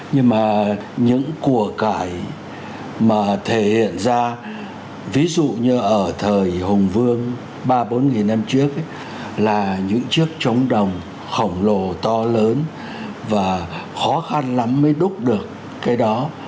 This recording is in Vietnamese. nhưng mà những của cải mà thể hiện ra ví dụ như ở thời hùng vương ba bốn năm trước là những chiếc trống đồng khổng lồ to lớn và khó khăn lắm mới đúc được cái đó